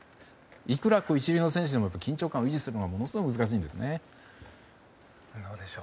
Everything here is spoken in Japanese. いくら一流の選手でも緊張感を維持するのはものすごく難しいんですね。